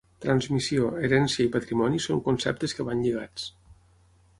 Transmissió, herència i patrimoni són conceptes que van lligats.